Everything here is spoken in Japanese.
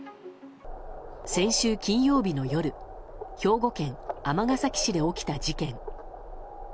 先週金曜日の夜兵庫県尼崎市で起きた事件。